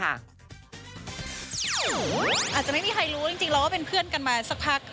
อาจจะไม่มีใครรู้จริงแล้วว่าเป็นเพื่อนกันมาสักพัก